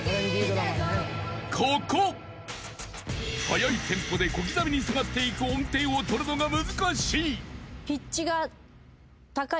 ［速いテンポで小刻みに下がっていく音程をとるのが難しい］